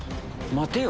待てよ。